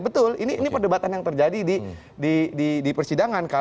betul ini perdebatan yang terjadi di persidangan